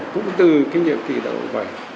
cũng từ cái nhiệm kỳ đạo bảy